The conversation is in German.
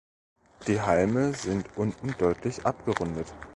Die Halme sind unten deutlich abgerundet.